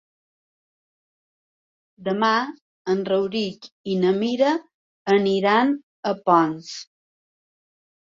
Demà en Rauric i na Mira aniran a Ponts.